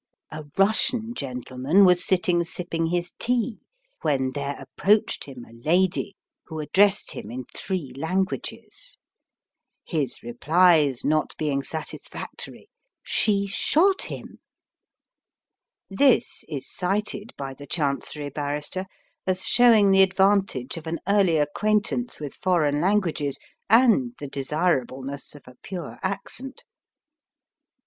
A Russian gentleman was sitting sipping his tea, when there approached him a lady, who addressed him in three languages. His replies not being satisfactory she shot him. This is cited by the Chancery Barrister as showing the advantage of an early acquaintance with foreign languages, and the desirableness of a pure accent.